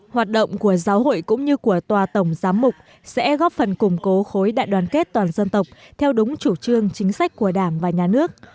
hoạt động của giáo hội cũng như của tòa tổng giám mục sẽ góp phần củng cố khối đại đoàn kết toàn dân tộc theo đúng chủ trương chính sách của đảng và nhà nước